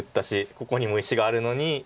ここにも石があるのに。